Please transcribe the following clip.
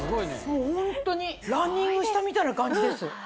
ホントにランニングしたみたいな感じです。